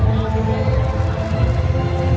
สโลแมคริปราบาล